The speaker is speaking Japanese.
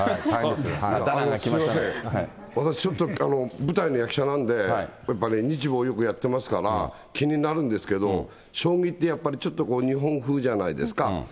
すみません、私ちょっと、舞台の役者なんで、やっぱり日舞をよくやってますから、気になるんですけど、将棋ってやっぱり、ちょっとこう、日本風じゃないですか。